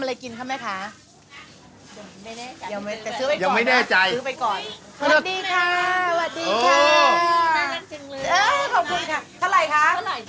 ขอบคุณค่ะเท่าไหร่คะ